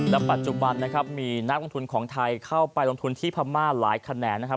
และปัจจุบันนะครับมีนักลงทุนของไทยเข้าไปลงทุนที่พม่าหลายคะแนนนะครับ